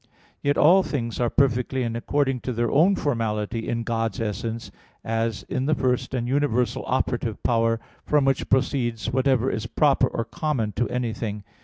Yet all things are perfectly and according to their own formality in God's essence, as in the first and universal operative power, from which proceeds whatever is proper or common to anything.